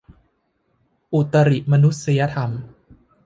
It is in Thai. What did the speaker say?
อุตริมนุสธรรม